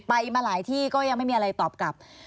ไปมาหลายที่ก็ยังไม่มีอะไรตอบกลับ